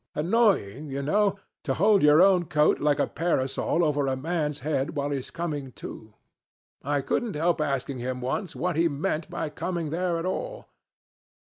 Annoying, you know, to hold your own coat like a parasol over a man's head while he is coming to. I couldn't help asking him once what he meant by coming there at all.